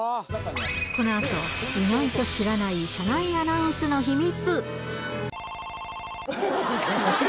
このあと、意外と知らない、車内アナウンスの秘密。